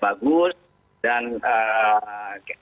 yang baik yang baik